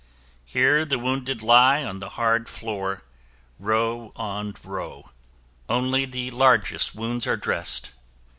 Here the wounded lie on the hard floor, row on row. Only the largest wounds are dressed.